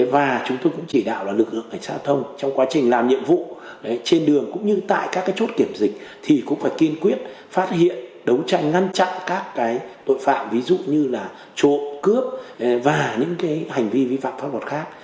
và chúng tôi cũng chỉ đạo lực lượng cảnh sát giao thông trong quá trình làm nhiệm vụ trên đường cũng như tại các chốt kiểm dịch thì cũng phải kiên quyết phát hiện đấu tranh ngăn chặn các tội phạm ví dụ như là trộm cướp và những hành vi vi phạm pháp luật khác